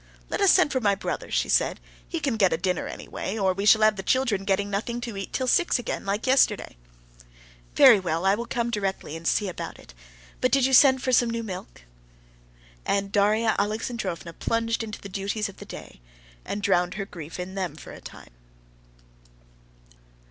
"Let us send for my brother," she said; "he can get a dinner anyway, or we shall have the children getting nothing to eat till six again, like yesterday." "Very well, I will come directly and see about it. But did you send for some new milk?" And Darya Alexandrovna plunged into the duties of the day, and drowned her grief in them for a time.